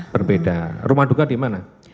berbeda rumah duka di mana